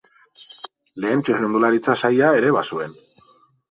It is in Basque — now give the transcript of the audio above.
Lehen txirrindularitza saila ere bazuen.